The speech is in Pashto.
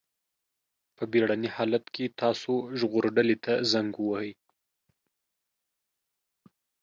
په بېړني حالت کې تاسو ژغورډلې ته زنګ ووهئ.